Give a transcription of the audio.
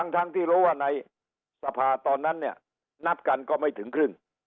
ทั้งที่รู้ว่าในสภาตอนนั้นเนี่ยนับกันก็ไม่ถึงครึ่ง